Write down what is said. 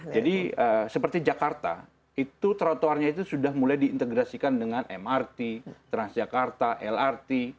jadi seperti jakarta trotoarnya itu sudah mulai diintegrasikan dengan mrt transjakarta lrt